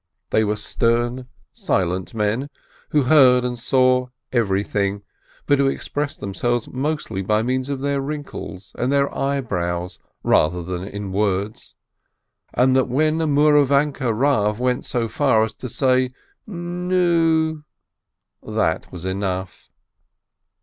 They were stern, silent men, who heard and saw everything, but who expressed themselves mostly by means of their wrinkles and their eyebrows rather than in words, so that when a Mouravanke Rav went so far as to say "N nu," that was enough.